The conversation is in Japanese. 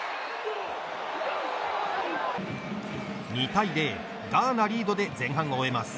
２対０ガーナリードで前半を終えます。